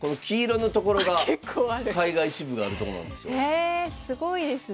へえすごいですね。